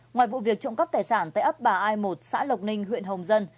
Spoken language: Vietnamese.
ngoài vụ việc trộm cắp tài sản tại ấp ba i một xã lộc ninh huyện hồng dân